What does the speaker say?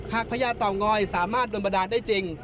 หากประยาต่าง้อยสามารถโดนบันดานได้จริง